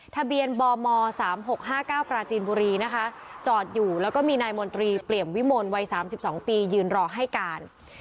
ทะเบียนบม๓๖๕๙ปราจีนบุรีนะคะจอดอยู่แล้วก็มีนายมนตรีเปี่ยมวิมลวัย๓๒ปียืนรอให้การ